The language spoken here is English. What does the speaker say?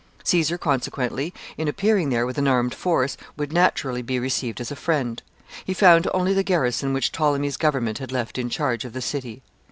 Caesar, consequently, in appearing there with an armed force, would naturally be received as a friend. He found only the garrison which Ptolemy's government had left in charge of the city.